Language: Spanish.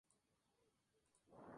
Hija de la actriz Dacia González.